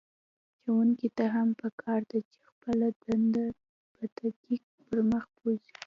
ښوونکي ته هم په کار ده چې خپله دنده په دقت پر مخ بوځي.